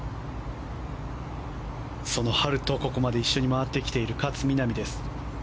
そのハルとここまで一緒に回ってきている勝みなみです。